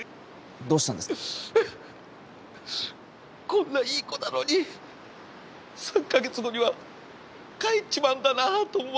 こんないい子なのに３か月後には帰っちまうんだなあと思ってううっ！